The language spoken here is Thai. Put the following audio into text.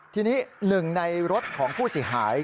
ทีนี้๑ในรถของผู้สิ่งหาย